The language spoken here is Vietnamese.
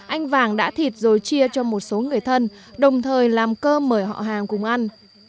anh vàng đã thịt rồi chia cho một số người thân đồng thời làm cơ mời họ hàng cùng ăn